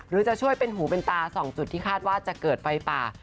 จะช่วยเป็นหูเป็นตา๒จุดที่คาดว่าจะเกิดไฟป่า